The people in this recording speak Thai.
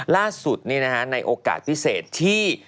ล่าสุดในโอกาสพิเศษที่